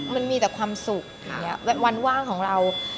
มันมีแต่ความสุขวันว่างของเรา